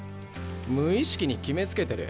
無意識に決めつけてる。